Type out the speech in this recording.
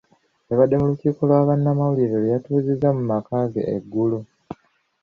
Yabadde mu lukiiko lwa bannamawulire lwe yatuuzizza mu maka ge eggulo.